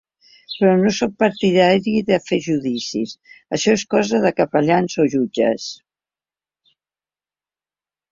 Però no sóc partidari de fer judicis: això és cosa de capellans o jutges.